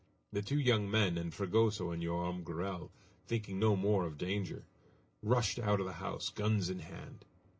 The two young men, and Fragoso and Joam Garral, thinking no more of danger, rushed out of the house, guns in hand.